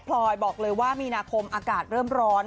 พลอยบอกเลยว่ามีนาคมอากาศเริ่มร้อน